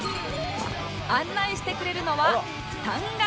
案内してくれるのは